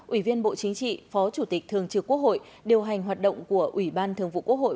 ủy viên bộ chính trị phó chủ tịch thường trực quốc hội điều hành hoạt động của ủy ban thường vụ quốc hội